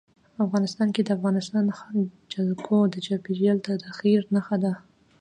افغانستان کې د افغانستان جلکو د چاپېریال د تغیر نښه ده.